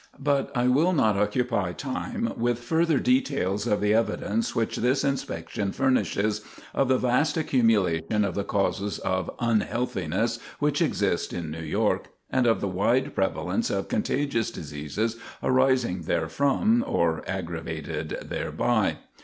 But I will not occupy time with further details of the evidence which this inspection furnishes of the vast accumulation of the causes of unhealthiness which exist in New York, and of the wide prevalence of contagious diseases arising therefrom or aggravated thereby.